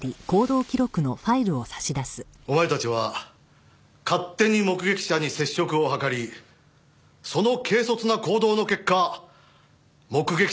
お前たちは勝手に目撃者に接触を図りその軽率な行動の結果目撃者の身が危険にさらされた。